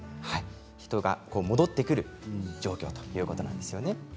人が戻ってくる状況ということなんですね。